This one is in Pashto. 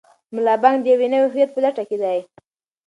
ملا بانګ د یو نوي هویت په لټه کې دی.